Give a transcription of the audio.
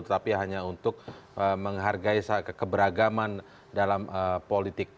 tetapi hanya untuk menghargai keberagaman dalam politik